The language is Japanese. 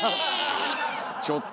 ちょっと！